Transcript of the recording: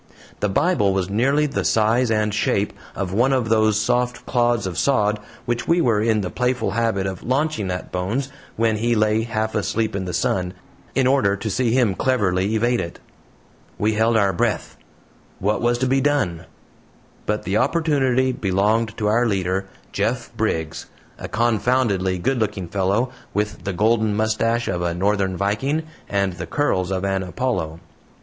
The Bible was nearly the size and shape of one of those soft clods of sod which we were in the playful habit of launching at Bones when he lay half asleep in the sun, in order to see him cleverly evade it. We held our breath. What was to be done? But the opportunity belonged to our leader, Jeff Briggs a confoundedly good looking fellow, with the golden mustache of a northern viking and the curls of an Apollo.